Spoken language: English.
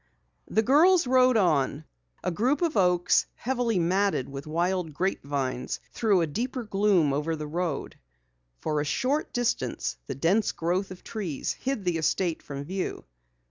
The girls rode on. A group of oaks, heavily matted with wild grapevines, threw a deeper gloom over the road. For a short distance the dense growth of trees hid the estate from view.